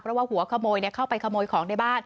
เพราะว่าหัวขโมยเข้าไปขโมยของในบ้าน